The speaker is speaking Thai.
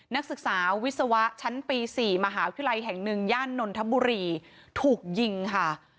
นักศึกษาวิศวะชั้นปี๔มหาวิทยาลัยแห่งหนึ่งย่านนทบุรีถูกยิงค่ะ